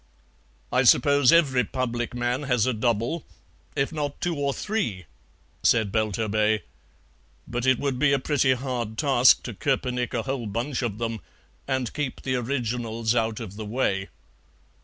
"I suppose every public man has a double, if not two or three," said Belturbet; "but it would be a pretty hard task to koepenick a whole bunch of them and keep the originals out of the way."